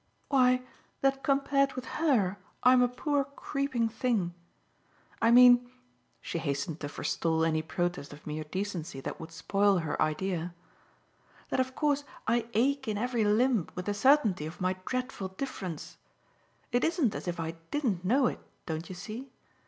"Why that compared with her I'm a poor creeping thing. I mean" she hastened to forestall any protest of mere decency that would spoil her idea "that of course I ache in every limb with the certainty of my dreadful difference. It isn't as if I DIDN'T know it, don't you see?